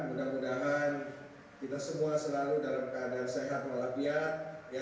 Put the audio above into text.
mudah mudahan kita semua selalu dalam keadaan sehat walafiat